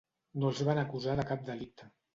No els van acusar de cap delicte.